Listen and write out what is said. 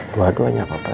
dua duanya bapak sayang